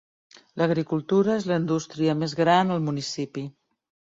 L'agricultura és la industria més gran al municipi.